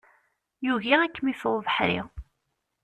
Yugi ad kem-iffeɣ ubeḥri.